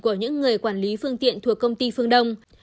của những người quản lý phương tiện thuộc công ty phương đông